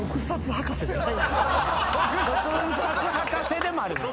毒殺博士でもあります。